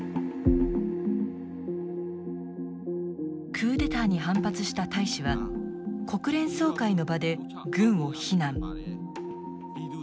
クーデターに反発した大使は国連総会の場で軍を非難。